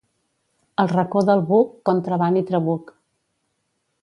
Al Racó del Buc, contraban i trabuc.